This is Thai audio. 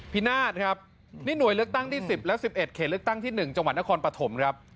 นาศครับนี่หน่วยเลือกตั้งที่๑๐และ๑๑เขตเลือกตั้งที่๑จังหวัดนครปฐมครับ